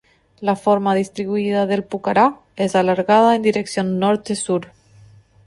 La forma distribuida del pucará es alargada en dirección norte-sur.